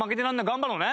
頑張ろうね。